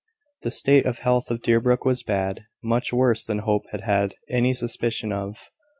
The state of health of Deerbrook was bad, much worse than Hope had had any suspicion of.